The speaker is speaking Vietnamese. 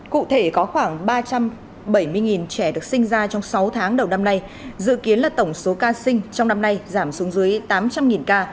cụ thể có khoảng ba trăm bảy mươi trẻ được sinh ra trong sáu tháng đầu năm nay dự kiến là tổng số ca sinh trong năm nay giảm xuống dưới tám trăm linh ca